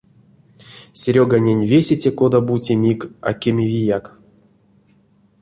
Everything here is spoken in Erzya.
Серёганень весе те кода-бути мик а кемевияк.